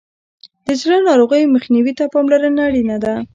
د زړه ناروغیو مخنیوي ته پاملرنه اړینه ده.